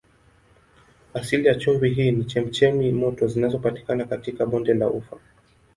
Asili ya chumvi hii ni chemchemi moto zinazopatikana katika bonde la Ufa.